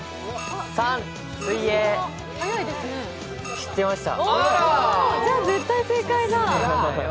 知ってました。